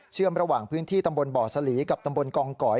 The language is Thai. ระหว่างพื้นที่ตำบลบ่อสลีกับตำบลกองก๋อย